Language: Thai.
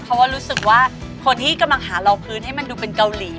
เพราะว่ารู้สึกว่าคนที่กำลังหาเราพื้นให้มันดูเป็นเกาหลี